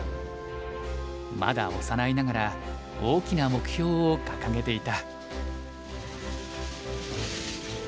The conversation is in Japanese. まだ幼いながら大きな目標を掲げていた。